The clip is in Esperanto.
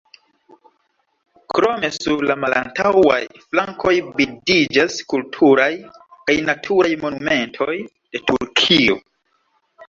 Krome sur la malantaŭaj flankoj bildiĝas kulturaj kaj naturaj monumentoj de Turkio.